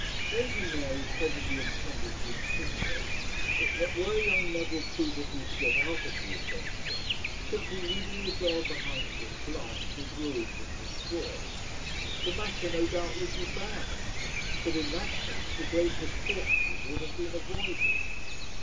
Lady Mary probably intended to insinuate that were young Neville prudently to get out of the adventure, simply leaving the girl behind him blasted, ruined, and destroyed, the matter no doubt would be bad; but in that case the great misfortune would have been avoided.